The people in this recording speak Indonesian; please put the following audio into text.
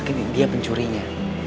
gue yakin dia pencurinya